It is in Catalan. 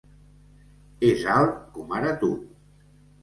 És alt com ara tu.